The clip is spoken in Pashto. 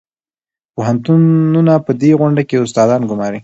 پوهنتونونه په دې غونډه کې استادان ګماري.